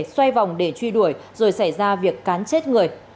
xoay vòng để truy đuổi rồi xảy ra việc cán chết người